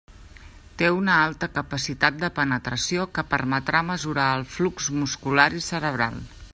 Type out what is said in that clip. Té una alta capacitat de penetració que permetrà mesurar el flux muscular i cerebral.